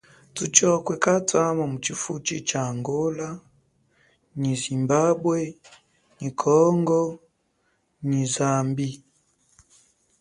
Thutshokwe katwama mu chifuchi cha Angola nyi Zimbabwe nyi Congo nyi Zambie.